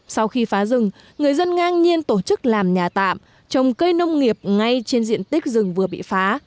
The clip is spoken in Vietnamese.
sau khi phá rừng người dân ngang nhiên tổ chức làm nhà tạm trồng cây nông nghiệp ngay trên diện tích rừng vừa bị phá